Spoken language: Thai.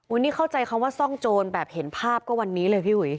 นี่เข้าใจคำว่าซ่องโจรแบบเห็นภาพก็วันนี้เลยพี่อุ๋ย